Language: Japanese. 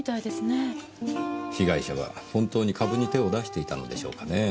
被害者は本当に株に手を出していたのでしょうかねぇ。